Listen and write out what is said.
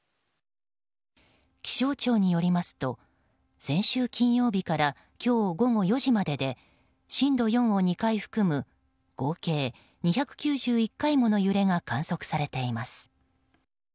気象庁によりますと先週金曜日から今日午後４時までで震度４を２回含む合計２９１回もの揺れが観測されています。